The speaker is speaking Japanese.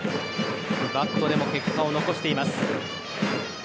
バットでも結果を残しています。